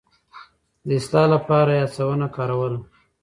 د اصلاح لپاره يې هڅونه کاروله.